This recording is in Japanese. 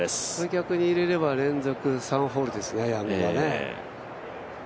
逆にこれ入れれば連続３ホールですね、ヤングはね。